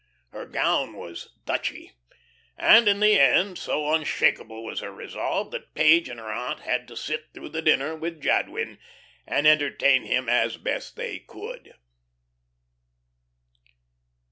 Her gown was "Dutchy." And in the end, so unshakable was her resolve, that Page and her aunt had to sit through the dinner with Jadwin and entertain him as best they could.